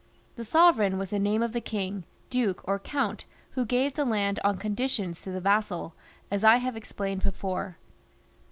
The sovereign was the name of the king, duke, or count who gave the land on conditions to the vassal, as I have explained before.